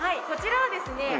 こちらはですね